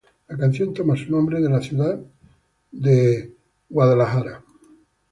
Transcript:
La canción toma su nombre de la ciudad Filadelfia.